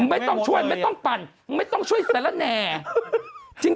ไม่ต้องช่วยไม่ต้องปั่นไม่ต้องช่วยสารแหน่